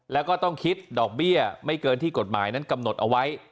แล้วก็ต้องคิดดอกเบี้ยไม่เกินที่กฎหมายนั้นกำหนดเอาไว้